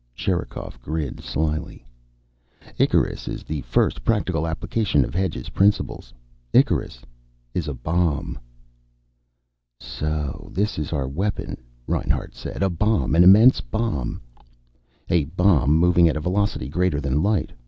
Sherikov grinned slyly. "Icarus is the first practical application of Hedge's principles. Icarus is a bomb." "So this is our weapon," Reinhart said. "A bomb. An immense bomb." "A bomb, moving at a velocity greater than light.